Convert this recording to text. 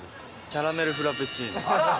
キャラメルフラペチーノ。